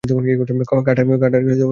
কার্টারকে কোথায় নিয়ে যাচ্ছেন?